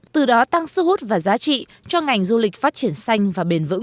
từ đó tăng sức hút và giá trị cho ngành du lịch phát triển xanh và bền vững